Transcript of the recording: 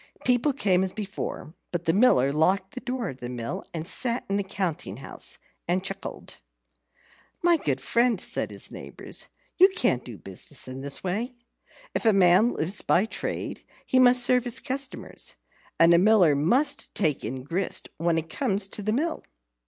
People came as before; but the Miller locked the door of the mill and sat in the counting house and chuckled. "My good friend," said his neighbours, "you can't do business in this way. If a man lives by trade, he must serve his customers. And a Miller must take in grist when it comes to the mill."